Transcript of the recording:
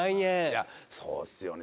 いやそうっすよね。